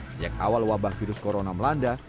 sejak awal wabah virus corona melanda